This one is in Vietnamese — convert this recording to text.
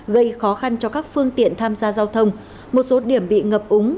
gây khó khăn cho các phương tiện tham gia giao thông một số điểm bị ngập úng